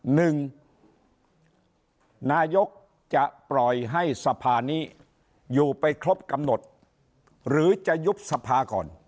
หนึ่งนายกจะปล่อยให้สภานี้อยู่ไปครบกำหนดหรือจะยุบสภาก่อน